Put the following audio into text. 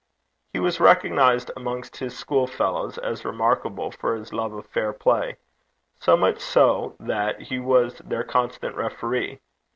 He was recognized amongst his school fellows as remarkable for his love of fair play; so much so, that he was their constant referee.